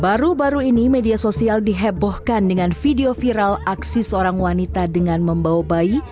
baru baru ini media sosial dihebohkan dengan video viral aksi seorang wanita dengan membawa bayi